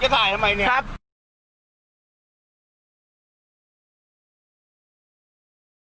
มันจะถ่ายทำไมเนี้ยครับ